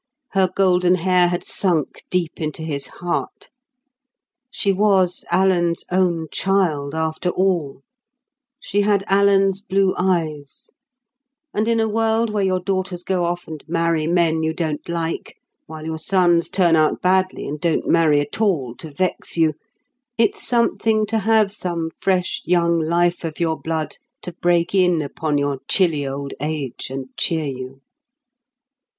Her golden hair had sunk deep into his heart. She was Alan's own child, after all; she had Alan's blue eyes; and in a world where your daughters go off and marry men you don't like, while your sons turn out badly, and don't marry at all to vex you, it's something to have some fresh young life of your blood to break in upon your chilly old age and cheer you.